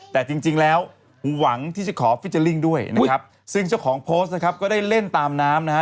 แต่จริงแล้วหวังที่จะขอฟิเจอร์ลิ่งด้วยนะครับซึ่งเจ้าของโพสต์นะครับก็ได้เล่นตามน้ำนะฮะ